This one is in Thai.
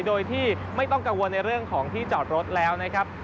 โดยที่ไม่ต้องกังวลในเรื่องของที่จอดรถแล้วนะครับ